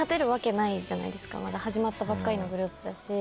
まだ始まったばっかりのグループだし。